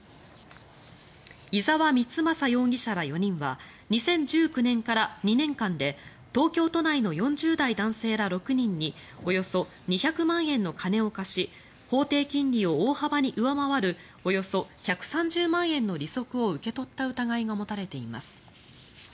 居澤光真容疑者ら４人は２０１９年から２年間で東京都内の４０代男性ら６人におよそ２００万円の金を貸し法定金利を大幅に上回るおよそ１３０万円の利息を受け取った疑いが持たれています。